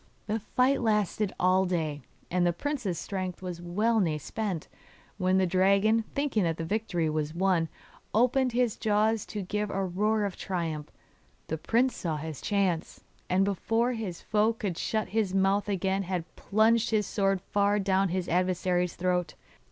The fight lasted all day, and the prince's strength was well nigh spent, when the dragon, thinking that the victory was won, opened his jaws to give a roar of triumph. The prince saw his chance, and before his foe could shut his mouth again had plunged his sword far down his adversary's throat.